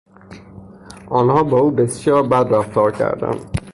آنها با او بسیار بد رفتار کردند.